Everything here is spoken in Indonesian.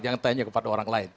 jangan tanya kepada orang lain